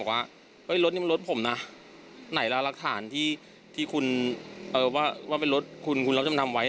บอกว่าเฮ้ยรถนี่มันรถผมน่ะไหนล่ะรักฐานที่ที่คุณเอ่อว่าว่าเป็นรถคุณคุณล้อมจำนำไว้